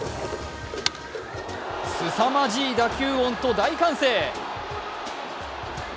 すさまじい打球音と大歓声。